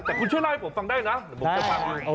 แต่คุณช่วยเล่าให้ผมคุณฟังได้นะ